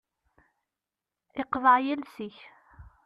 Iqḍeε yiles-ik.